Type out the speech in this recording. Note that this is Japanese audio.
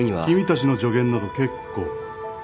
君たちの助言など結構。